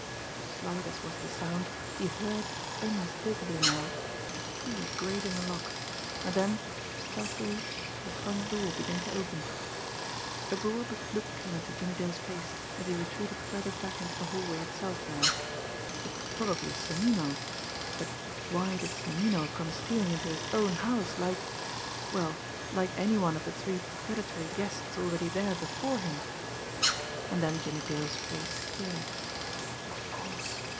Slight as was the sound, he heard, unmistakably now, a key grate in the lock and then, stealthily, the front door began to open. A bewildered look came into Jimmie Dale's face, as he retreated further back into the hallway itself now. It was probably Sonnino; but why did Sonnino come stealing into his own house like well, like any one of the three predatory guests already there before him? And then Jimmie Dale's face cleared. Of course!